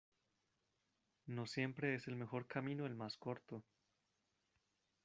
No siempre es el mejor camino el más corto.